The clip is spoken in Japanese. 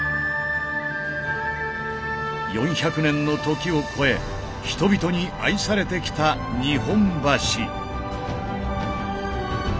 ４００年の時を超え人々に愛されてきた日本橋。